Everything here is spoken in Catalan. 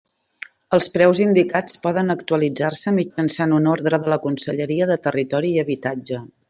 Els preus indicats poden actualitzar-se mitjançant una ordre de la Conselleria de Territori i Habitatge.